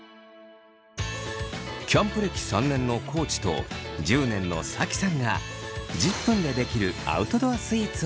キャンプ歴３年の地と１０年のＳａｋｉさんが１０分でできるアウトドアスイーツを作ります。